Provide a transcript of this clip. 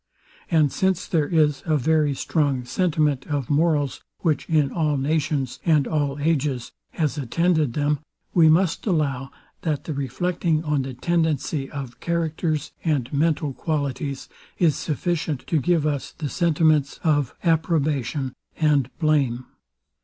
And since there is a very strong sentiment of morals, which in all nations, and all ages, has attended them, we must allow, that the reflecting on the tendency of characters and mental qualities, is sufficient to give us the sentiments of approbation and blame.